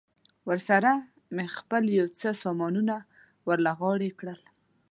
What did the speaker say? ورسره مې خپل یو څه سامانونه ور له غاړې کړل.